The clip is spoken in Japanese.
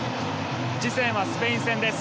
次戦はスペイン戦です。